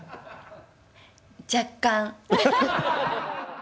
若干。